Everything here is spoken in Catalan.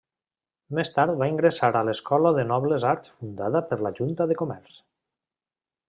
Més tard va ingressar a l'Escola de Nobles Arts fundada per la Junta de Comerç.